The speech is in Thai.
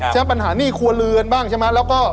ปัญหาหนี้ครัวเรือนบ้างใช่ไหมแล้วก็